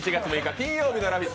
金曜日の「ラヴィット！」